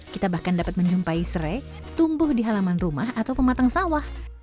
kita bahkan dapat menjumpai serai tumbuh di halaman rumah atau pematang sawah